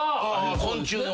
昆虫の。